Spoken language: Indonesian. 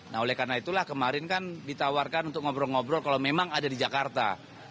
nah oleh karena itulah kemarin kan ditawarkan untuk ngobrol ngobrol kalau memang ada di jakarta